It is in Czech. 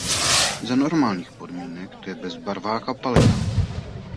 Za normálních podmínek to je bezbarvá kapalina.